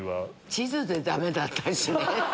地図でダメだったしね。